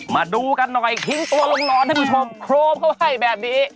มาดูกันหน่อยทิ้งตัวลงนอนท่านผู้ชมโครมเข้าให้แบบนี้